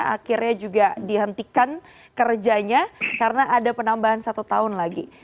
akhirnya juga dihentikan kerjanya karena ada penambahan satu tahun lagi